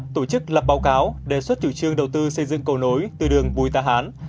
tổ chức lập báo cáo đề xuất chủ trương đầu tư xây dựng cầu nối từ đường bùi ta hán